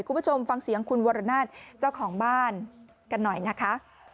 คุณผู้ชมฟังเสียงคุณวรนาศเจ้าของบ้านกันหน่อยนะคะ